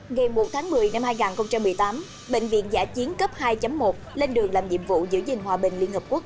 ngày một tháng một mươi năm hai nghìn một mươi tám bệnh viện giả chiến cấp hai một lên đường làm nhiệm vụ giữ gìn hòa bình liên hợp quốc